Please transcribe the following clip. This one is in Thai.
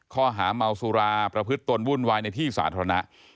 ข้อหาเมาสุราประพฤติตนวุ่นวายในที่สาธารณะ